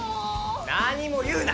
何も言うな。